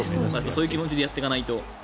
そういう気持ちでやっていかないと。